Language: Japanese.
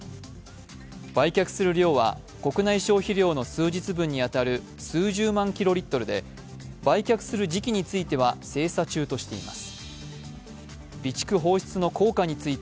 売却する量は国内消費量の数日分に当たる数十万キロリットルで、売却する時期については精査中としています。